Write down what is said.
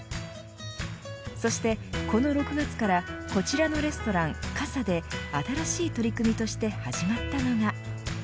そして、この６月からこちらのレストランＫＡＳＡで新しい取り組みとして始まったのが。